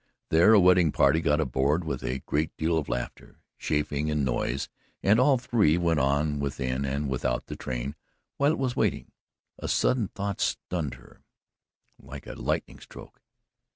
There a wedding party got aboard with a great deal of laughter, chaffing and noise, and all three went on within and without the train while it was waiting. A sudden thought stunned her like a lightning stroke.